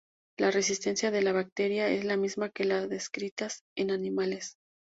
La resistencia de la bacteria es la misma que las descritas en animales.